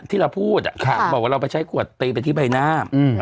ที่เราพูดบอกว่าเราไปใช้ขวดตีไปที่ใบหน้า